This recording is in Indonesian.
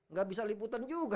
nggak bisa liputan juga